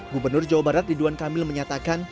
gubernur jawa barat ridwan kamil menyatakan